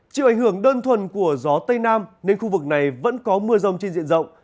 chịu ảnh hưởng đơn thuần của gió tây nam nên khu vực này vẫn có mưa rông trên diện rộng